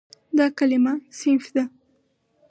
دا کلمه "صنف" ده.